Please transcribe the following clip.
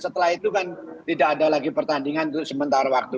setelah itu kan tidak ada lagi pertandingan untuk sementara waktu